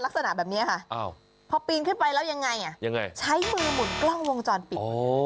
ลักษณะแบบนี้ค่ะพอปีนขึ้นไปแล้วยังไงใช้มือหมุนกล้องวงจรปิด